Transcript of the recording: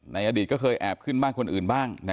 ในอดีตเขาก็แอบจบขึ้นบ้างคนอื่นบ้าง